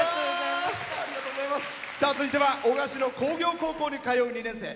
続いては男鹿市の工業高校に通う２年生。